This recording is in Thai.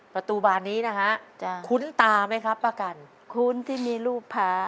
ประตูบานนี้นะฮะคุ้นตาไหมครับป้ากันคุ้นที่มีรูปพระ